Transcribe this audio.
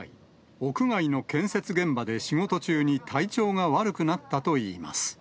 屋外の建設現場で仕事中に体調が悪くなったといいます。